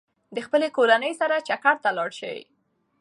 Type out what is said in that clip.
د خپلې کورنۍ سره چکر ته لاړ شئ.